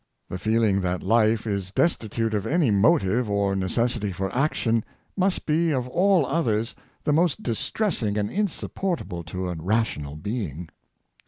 The feeling that life is destitute of any motive or necessity for action, must be of all others the most distressing and insupportable to a rational being.